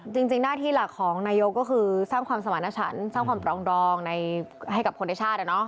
จริงหน้าที่หลักของนายกก็คือสร้างความสมรรถฉันสร้างความปรองดองให้กับคนในชาติ